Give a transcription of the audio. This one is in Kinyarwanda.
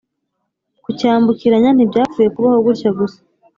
kucyambukiranya ntibyapfuye kubaho gutya gusa